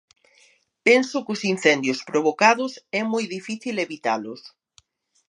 Penso que os incendios provocados é moi difícil evitalos.